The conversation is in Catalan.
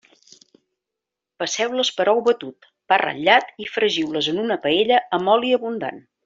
Passeu-les per ou batut, pa ratllat i fregiu-les en una paella amb oli abundant.